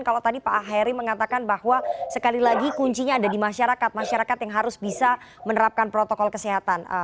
kalau tadi pak heri mengatakan bahwa sekali lagi kuncinya ada di masyarakat masyarakat yang harus bisa menerapkan protokol kesehatan